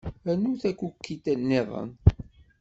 Rnu takukit niḍen.